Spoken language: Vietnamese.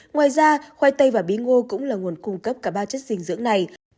ngoài ra khoai tây và bí ngô cũng là nguồn cung cấp cả ba chất dinh dưỡng này